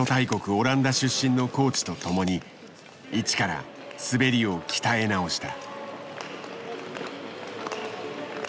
オランダ出身のコーチと共に一から滑りを鍛え直した。